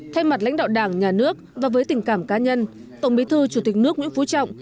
thay mặt lãnh đạo đảng nhà nước và với tình cảm cá nhân tổng bí thư chủ tịch nước nguyễn phú trọng